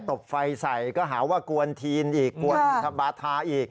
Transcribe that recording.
บไฟใส่ก็หาว่ากวนทีนอีกกวนทบาทาอีก